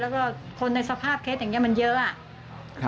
แล้วก็คนในสภาพเคสอย่างนี้มันเยอะอะ